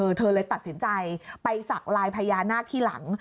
อย่างกับเธอเธอเลยตัดสินใจไปศักดิ์ลายพญานาคที่หลัง